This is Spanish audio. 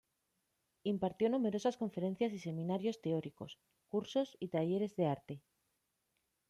Impartió numerosas conferencias y seminarios teóricos, cursos y talleres de arte.